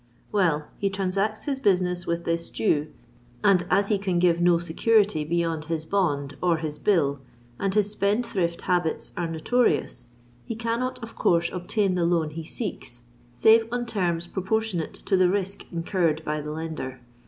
Well—he transacts his business with this Jew; and as he can give no security beyond his bond or his bill, and his spendthrift habits are notorious, he cannot of course obtain the loan he seeks save on terms proportionate to the risk incurred by the lender.